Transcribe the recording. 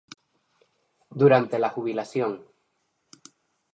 Durante la jubilación